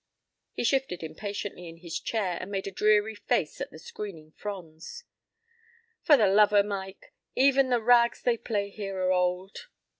p> He shifted impatiently in his chair and made a dreary face at the screening fronds. "For the love o' Mike! Even the rags they play here are old."